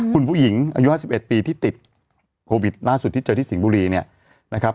คุณผู้หญิงอายุ๕๑ปีที่ติดโควิดล่าสุดที่เจอที่สิงห์บุรีเนี่ยนะครับ